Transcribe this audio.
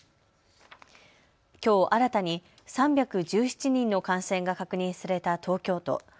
きょう新たに３１７人の感染が確認された東京都。